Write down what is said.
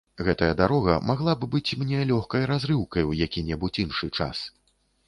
Гэтая дарога магла б быць мне лёгкай разрыўкай у які-небудзь іншы час.